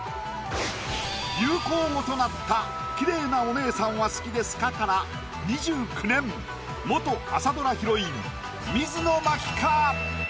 流行語となった「きれいなおねえさんは、好きですか。」から２９年元朝ドラヒロイン水野真紀か？